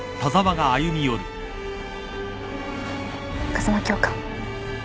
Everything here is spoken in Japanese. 風間教官。